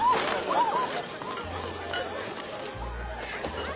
あっ！